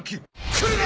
来るな！